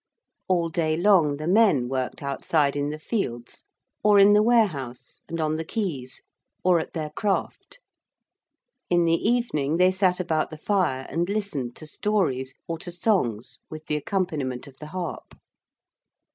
All day long the men worked outside in the fields, or in the warehouse, and on the quays or at their craft. In the evening they sat about the fire and listened to stories, or to songs with the accompaniment of the harp.